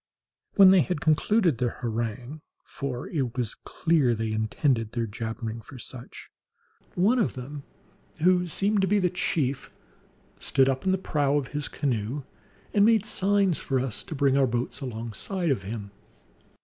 When they had concluded their harangue (for it was clear they intended their jabbering for such), one of them who seemed to be the chief stood up in the prow of his canoe, and made signs for us to bring our boats alongside of him.